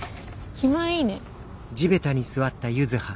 気前いいね。